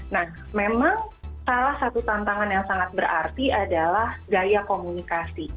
nah memang salah satu tantangan yang sangat berarti adalah gaya komunikasi